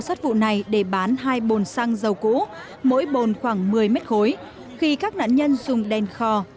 sắt vụ này để bán hai bồn xăng dầu cũ mỗi bồn khoảng một mươi mét khối khi các nạn nhân dùng đèn kho